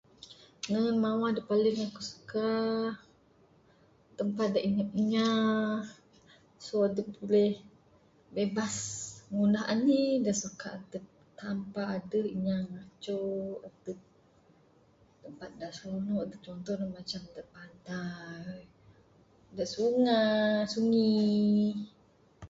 Nehen mawah da paling aku suka, tempat da anyap inya, so adep buleh bebas ngundah anih da suka adep tanpa adeh inya ngaco adep. Tempat da seronok contoh ne macam da pantai, da sungai, sungi.